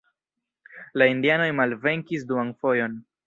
La indianoj malvenkis duan fojon.